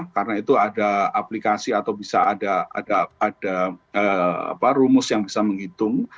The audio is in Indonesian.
karena itu ada aplikasi atau bisa ada rumus yang bisa menghitung